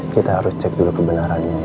kita harus cek dulu kebenarannya